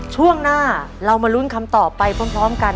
ช่วงหน้าเรามาลุ้นคำตอบไปพร้อมกัน